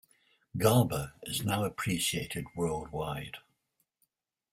Garba is now appreciated worldwide.